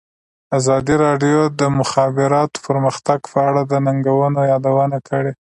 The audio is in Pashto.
ازادي راډیو د د مخابراتو پرمختګ په اړه د ننګونو یادونه کړې.